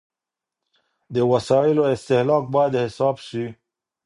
د وسايلو استهلاک بايد حساب سي.